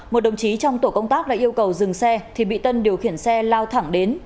một đồng chí trong tổ công tác đã yêu cầu dừng xe thì bị tân điều khiển xe lao thẳng đến